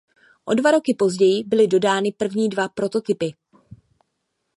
O dva roky později byly dodány první dva prototypy.